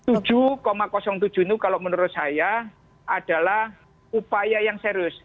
tujuh tujuh itu kalau menurut saya adalah upaya yang serius